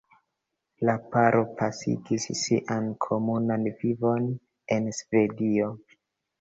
La paro pasigis sian komunan vivon en Svedio.